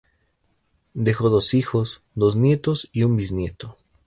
Dejó dos hijos, dos nietos y un bisnieto.